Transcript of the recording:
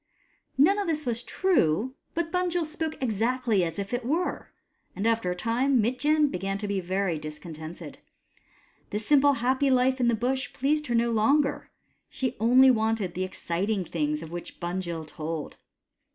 None of this was true, but Bunjil spoke exactly as if it were, and after a time Mitjen began to be very discontented. The simple happy life in the Bush pleased her no longer ; she only wanted the exciting things of which Bunjil told.